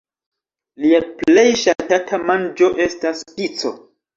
Lia plej ŝatata manĝo estas pico.